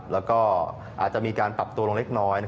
แล้วก็อาจจะมีการปรับตัวลงเล็กน้อย